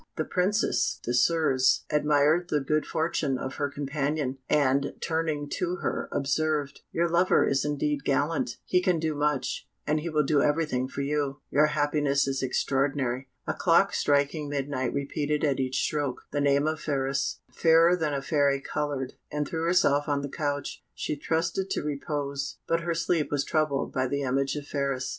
The Princess Désirs admired the good fortune of her companion, and, turning to her, observed, "Your lover is indeed gallant; he can do much, and he will do everything for you; your happiness is extraordinary." A clock striking midnight repeated at each stroke the name of Phratis. Fairer than a Fairy coloured, and threw herself on the couch. She trusted to repose, but her sleep was troubled by the image of Phratis.